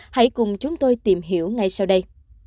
hãy cùng chúng tôi tìm hiểu ngay sau đây